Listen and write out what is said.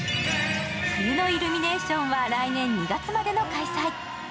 冬のイルミネーションは来年２月までの開催。